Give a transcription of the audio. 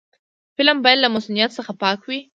فلم باید له مصنوعیت څخه پاک وي